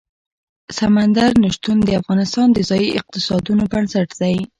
سمندر نه شتون د افغانستان د ځایي اقتصادونو بنسټ دی.